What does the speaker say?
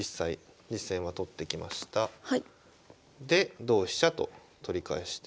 で同飛車と取り返して。